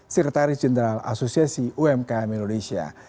sekretaris jenderal asosiasi umkm indonesia